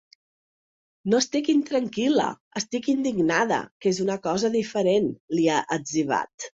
No estic intranquil·la, estic indignada, que és una cosa diferent, li ha etzibat.